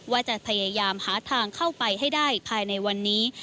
ว่าจะพยายามหาทางเข้าไปให้ได้ภายในวันนี้